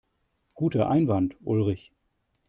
Guter Einwand, Ulrich.